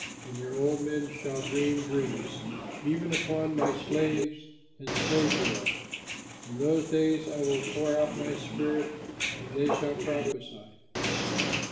"'And your old men shall dream dreams, Even upon my slaves and slave girls In those days I will pour out my Spirit, And they shall prophesy.'"